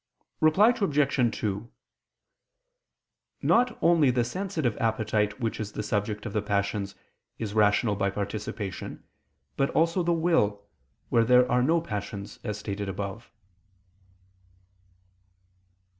Reply Obj. 2: Not only the sensitive appetite which is the subject of the passions, is rational by participation, but also the will, where there are no passions, as stated above.